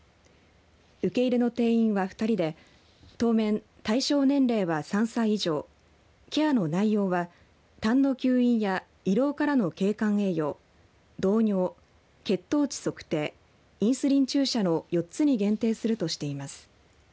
受け入れの定員は２人で当面、対象年齢は３歳以上ケアの内容は、たんの吸引や胃ろうからの経管栄養導尿血糖値測定、インスリン注射の４つに限定するとしています。